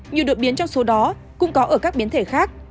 nhiều đột biến trong số đó cũng có ở các biến thể khác